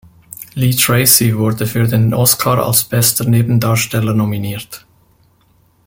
Lee Tracy wurde für den Oscar als bester Nebendarsteller nominiert.